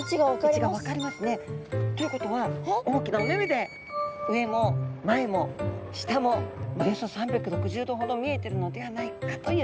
位置が分かりますね。ということは大きなお目々で上も前も下もおよそ３６０度ほど見えてるのではないかといわれています。